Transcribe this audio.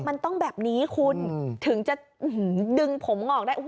มันต้องแบบนี้คุณถึงจะดึงผมออกได้